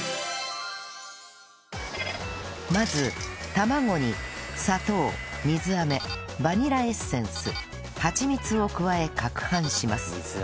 まず卵に砂糖水飴バニラエッセンスはちみつを加え攪拌します